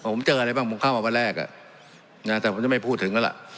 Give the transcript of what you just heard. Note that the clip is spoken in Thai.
ผมเจออะไรบ้างผมเข้ามาวันแรกอ่ะนะแต่ผมจะไม่พูดถึงแล้วล่ะ